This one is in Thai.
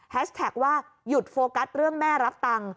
แท็กว่าหยุดโฟกัสเรื่องแม่รับตังค์